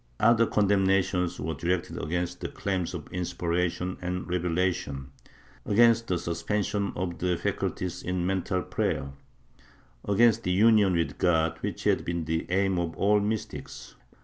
Other condemna tions were directed against the claims of inspiration and revelation, against the suspension of the faculties in mental prayer, against the Union with God which had been the aim of all the mystics.